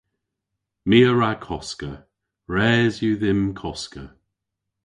My a wra koska. Res yw dhymm koska.